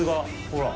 ほら！